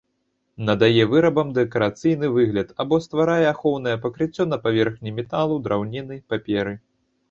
Надае вырабам дэкарацыйны выгляд або стварае ахоўнае пакрыццё на паверхні металу, драўніны, паперы.